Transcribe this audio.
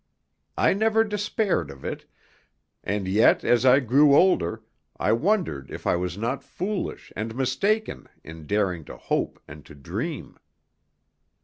I never despaired of it, and yet as I grew older I wondered if I was not foolish and mistaken in daring to hope and to dream."